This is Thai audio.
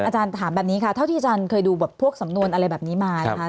อาจารย์ถามแบบนี้ค่ะเท่าที่อาจารย์เคยดูแบบพวกสำนวนอะไรแบบนี้มานะคะ